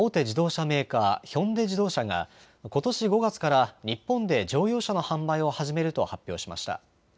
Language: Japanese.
自動車メーカー、ヒョンデ自動車がことし５月から日本で乗用車の販売を始めると発表しました。